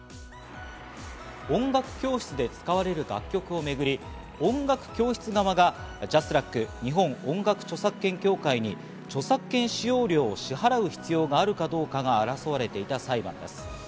音楽教室で使われる楽曲をめぐり、音楽教室側がＪＡＳＲＡＣ＝日本音楽著作権協会に著作権使用料を支払う必要があるかどうかが争われていた裁判です。